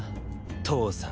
父さん。